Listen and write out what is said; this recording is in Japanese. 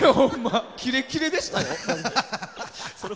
キレッキレでしたよ。